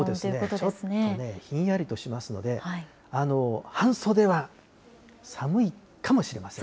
ちょっとね、ひんやりとしますので、半袖は寒いかもしれません。